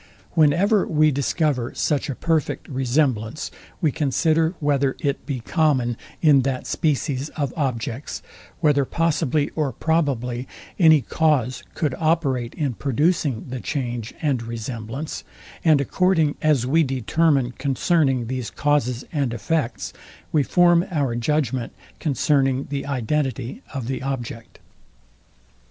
Whenever we discover such a perfect resemblance, we consider, whether it be common in that species of objects; whether possibly or probably any cause could operate in producing the change and resemblance; and according as we determine concerning these causes and effects, we form our judgment concerning the identity of the object.